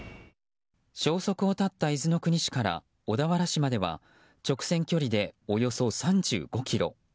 消息を絶った伊豆の国市から小田原市までは直線距離でおよそ３５ｋｍ。